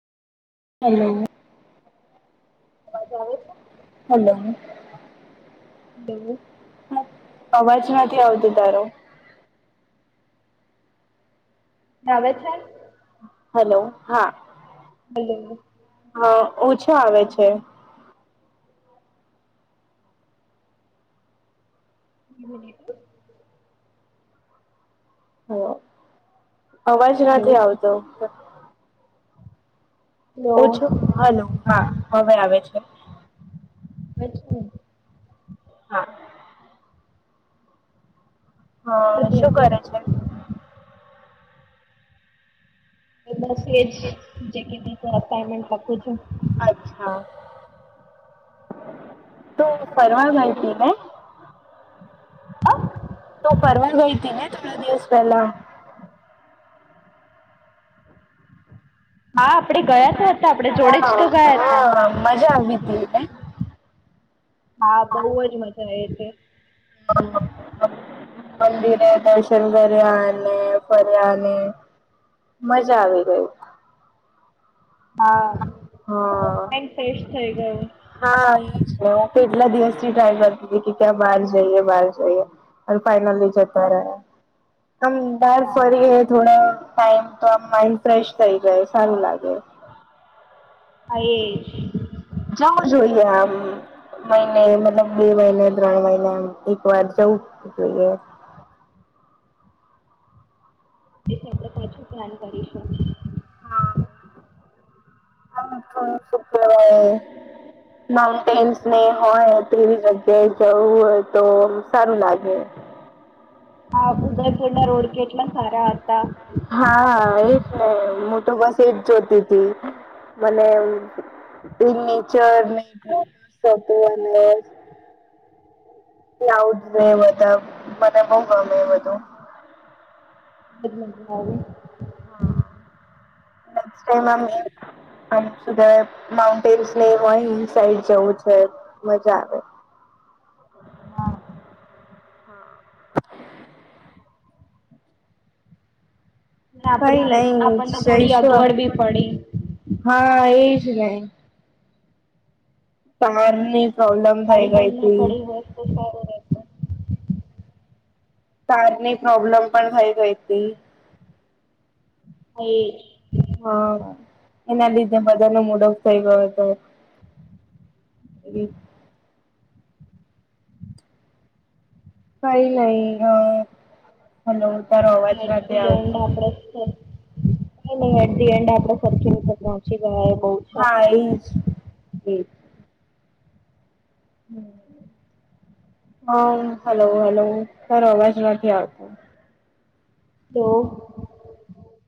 Hello અવાજ આવે છે? હલો હલો અવાજ નથી આવતો તારો. આવે છે? હલો હા હલો હા ઓછા આવે છે. [unintelligible] હ અવાજ હો હલો નથી આવતો. હલો ઓછો આવે હલો હા હવે આવે છે. અચ્છ. હા હા નથી શું આવતું. કરે છે? બસ એજ [unintelligible] અસાઈનમેંટ લખુ છું. અચ્છા તો ફરવા ગઈ હતી ને? હા તુ ફરવા ગઈ તીને થોડા દિવસ પહેલા? હા આપણે [unintelligible] હા મજા આવીવી હતી. હા બઉુજ મજા આવે છે. [unintelligible] મંદિરે દર્શન કરયા ને ફ્રરયાને. મજા આવી ગઈ. હા થોડો હા માઈન્ડ ફ્રેશ થઈ ગયો. હા એ જ હું તો એટલા દિવસ થી ટ્રાય કરતી હતી કે ક્યાં બહાર જઈએ બહાર જઈએ. ફાઈનલી જતારાયા. બહાર હા ફરીયે થોડો ટાઈમ તો આ માઇન્ડ ફ્રેશ થઈ જાય સારું લાગે. હા એજ. જવું જોઈએ આમ મહિને મતલબ બે મહિને ત્રણ મહિનેમ એક વાર જવું જ જોઈએ. એ આપણે પાછું પ્લાન કરીશું. હા [unintelligible] માઉન્ટેન્સ ને હોય તેવી જગ્યાએ જવું હોય તો સારું લાગે. હા ઉતરસંડા રોડ કેટલા સારા હતા. હા એજ ને હું તો બસ એજ જોતી હતી મને [unintelligible] આવ જ બધા મને બઉ ગમે એ બધું. [unintelligible] નેક્સ ટાઈમ આમ સુ કેહવાય માઉન્ટેન્સ ને હોય સાઈડ જવું છે મજા આવે. હા [inaudible] અને કઈ આપડી નઈ આપણને થોડી જઈશ અગવડ બી પડી હા એજ ને. કાર ની પ્રોબ્લેમ થઈ ગઈ હતી. ખુબ સારું. કાર ની પ્રોબ્લેમ પણ થઈ ગઈ હતી. એજ. હા એના લીધે બધાનો મુડફ થઇ ગયો હતો. [inaudible] કઈ નહી હલો હ તારો અવાજ નથી આવતો. કઈ નઈ એટ ધી એન્ડ આપડે [unintelligible] પહોંચી ગયા બોવ. હા એજ એ. હા હલો હલો કારો અવાજ નથી આવતો. હલો..